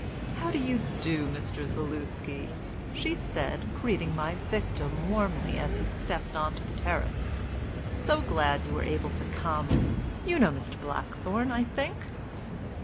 How do you do, Mr. Zaluski?" she said, greeting my victim warmly as he stepped on to the terrace. "So glad you were able to come. You know Mr. Blackthorne, I think."